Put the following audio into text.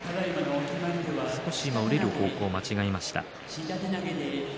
今、少し降りる方向を間違えました。